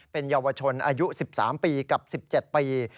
เป็นเยาวชนอายุ๑๓ปีกับ๑๗ปี